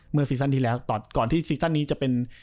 ซีซั่นที่แล้วก่อนที่ซีซั่นนี้จะเป็น